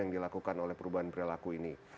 yang dilakukan oleh perubahan perilaku ini